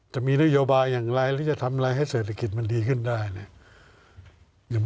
จะมีนโยบายอย่างไรหรือจะทำอะไรให้เศรษฐกิจมันดีขึ้นได้เนี่ย